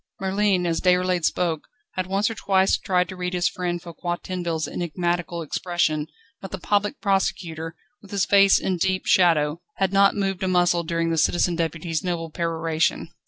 Merlin, as Déroulède spoke, had once or twice tried to read his friend Foucquier Tinville's enigmatical expression, but the Public Prosecutor, with his face in deep shadow, had not moved a muscle during the Citizen Deputy's noble peroration.